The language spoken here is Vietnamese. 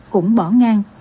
cũng bỏ ngang